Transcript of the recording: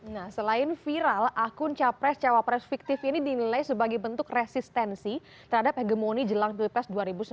nah selain viral akun capres cawapres fiktif ini dinilai sebagai bentuk resistensi terhadap hegemoni jelang pilpres dua ribu sembilan belas